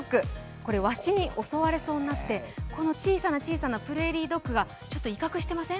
これ、ワシに襲われそうになって小さな小さなプレーリードッグがちょっと威嚇してません？